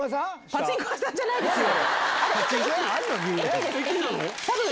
パチンコ屋さんじゃないですよ。